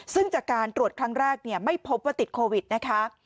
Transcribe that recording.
ซึ่งจากการตรวจครั้งแรกไม่พบว่าติดโควิดนะคะ